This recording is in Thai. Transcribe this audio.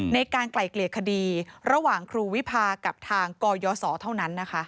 ไกล่เกลี่ยคดีระหว่างครูวิพากับทางกยศเท่านั้นนะคะ